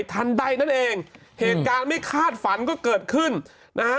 ทันใดนั่นเองเหตุการณ์ไม่คาดฝันก็เกิดขึ้นนะฮะ